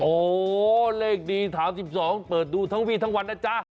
โอเลขนี้สามสิบสองเปิดดูทั้งวีทันวันนะจ้ะ